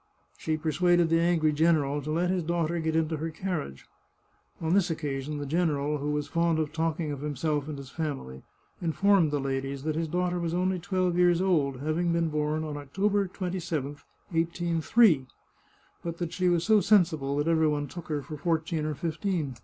She per suaded the angry general to let his daughter get into her carriage. On this occasion the general, who was fond of talking of himself and his family, informed the ladies that his daughter was only twelve years old, having been bom on October 27, 1803, but that she was so sensible that every one took her for fourteen or fifteen.